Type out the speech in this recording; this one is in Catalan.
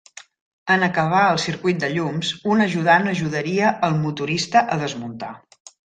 En acabar el circuit de llums, un ajudant ajudaria el motorista a desmuntar.